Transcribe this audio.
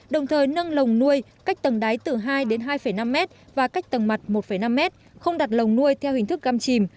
đồng thời nâng lồng nuôi cách tầng đáy từ hai đến hai năm m và cách tầng mặt một năm mét không đặt lồng nuôi theo hình thức găm chìm